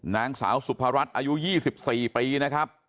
นางสาวสุพรัชอายุ๒๔ปีนะครับ